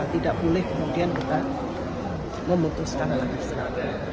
tidak boleh kemudian kita memutuskan